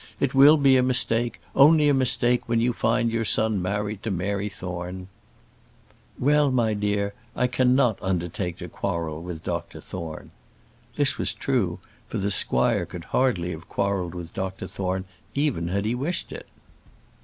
It will be a mistake, only a mistake when you find your son married to Mary Thorne." "Well, my dear, I cannot undertake to quarrel with Dr Thorne." This was true; for the squire could hardly have quarrelled with Dr Thorne, even had he wished it.